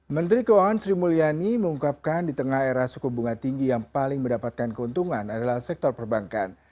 menteri keuangan sri mulyani mengungkapkan di tengah era suku bunga tinggi yang paling mendapatkan keuntungan adalah sektor perbankan